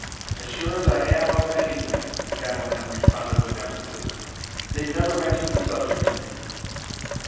"As sure as I am of anything," the cattleman responded with emphasis. "They've never mentioned the subject to me."